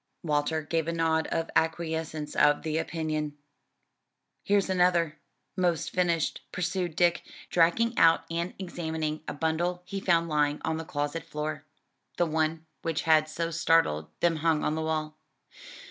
Walter gave a nod of acquiescence of the opinion. "Here's another 'most finished," pursued Dick, dragging out and examining a bundle he found lying on the closet floor. (The one which had so startled them hung on the wall.)